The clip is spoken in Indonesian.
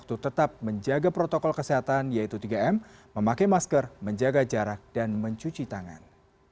untuk tetap menjaga protokol kesehatan yaitu tiga m memakai masker menjaga jarak dan mencuci tangan